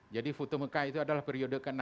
jadi futuh mekah itu adalah periode ke enam